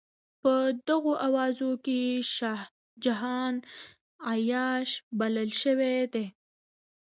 په دغو اوازو کې شاه جهان عیاش بلل شوی دی.